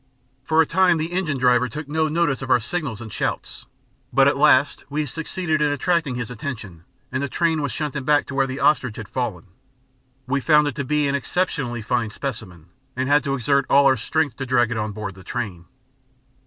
For a time the engine driver took no notice of our signals and shouts, but at last we succeeded in attracting his attention, and the train was shunted back to where the ostrich had fallen. We found it to be an exceptionally fine specimen, and had to exert all our strength to drag it on board the train.